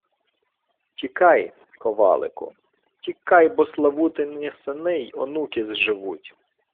— Тікай, ковалику! Тікай, бо Славутині сини й онуки зживуть!..